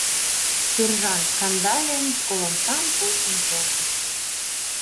Сержант Кандалин школ омсам почын колтыш.